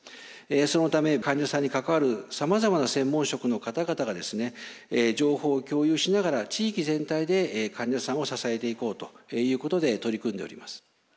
そのため患者さんに関わるさまざまな専門職の方々が情報を共有しながら地域全体で患者さんを支えていこうということで取り組んでおります。